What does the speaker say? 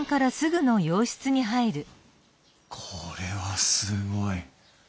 これはすごい。